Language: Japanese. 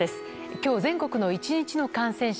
今日全国の１日の感染者